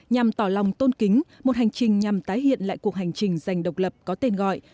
nhằm tỏ lòng tôn kính một hành trình nhằm tái hiện lại cuộc hành trình giành độc lập có tên gọi